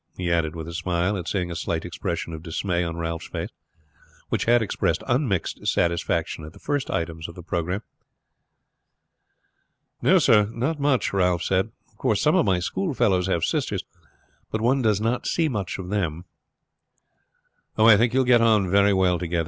he added with a smile at seeing a slight expression of dismay on Ralph's face, which had expressed unmixed satisfaction at the first items of the programme. "No, sir; not much," Ralph said. "Of course some of my schoolfellows have sisters, but one does not see much of them." "I think you will get on very well together.